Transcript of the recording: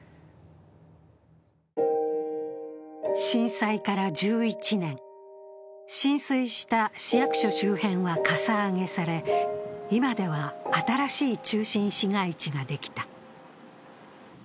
震災から１１年、浸水した市役所周辺はかさ上げされ、今では新しい中心市街地ができた。